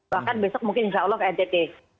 bahkan besok mungkin insya allah ke ntt